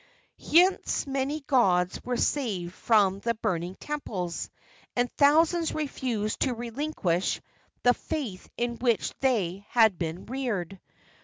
Hence many gods were saved from the burning temples, and thousands refused to relinquish the faith in which they had been reared.